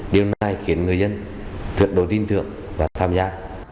điều này khiến người dân thượng đối tin thượng và tham gia